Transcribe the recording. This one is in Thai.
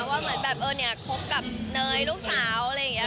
ว่าเหมือนแบบเออเนี่ยคบกับเนยลูกสาวอะไรอย่างนี้